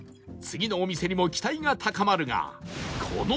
次のお店にも期待が高まるが